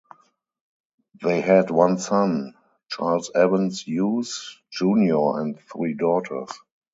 They had one son, Charles Evans Hughes Junior and three daughters.